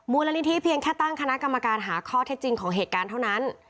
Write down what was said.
มูลนิธิเพียงแค่ตั้งคณะกรรมการหาข้อเท็จจริงของเหตุการณ์เท่านั้น